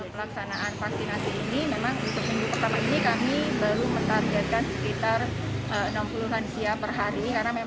pelaksanaan vaksinasi ini memang untuk minggu pertama ini kami baru mentargetkan sekitar enam puluh lansia per hari